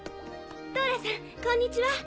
ドーラさんこんにちは。